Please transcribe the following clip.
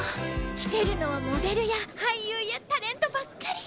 来てるのはモデルや俳優やタレントばっかり。